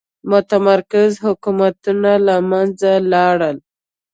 متمرکز حکومتونه له منځه لاړل.